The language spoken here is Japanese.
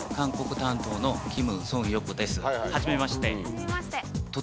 はじめまして。